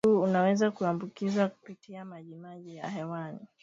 ugonjwa huu unaweza kuambukizwa kupitia majimaji ya hewani